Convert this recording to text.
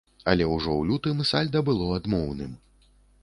Але ўжо ў лютым сальда было адмоўным.